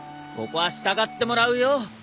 ここは従ってもらうよ。